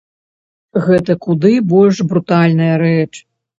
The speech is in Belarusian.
Гэта куды больш брутальная рэч.